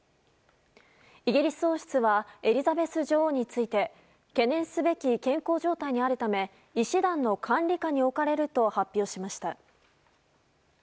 イギリス王室はエリザベス女王について懸念すべき健康状態にあるため医師団の管理下に置かれると発表しました。